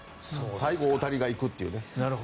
最後、大谷が行くというね。